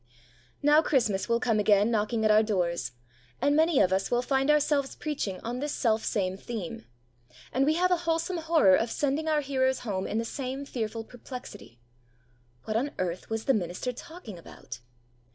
Now Christmas will again come knocking at our doors, and many of us will find ourselves preaching on this selfsame theme. And we have a wholesome horror of sending our hearers home in the same fearful perplexity. 'What on earth was the minister talking about?'